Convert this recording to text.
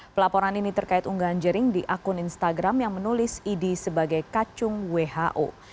pelaporan ini terkait unggahan jering di akun instagram yang menulis idi sebagai kacung who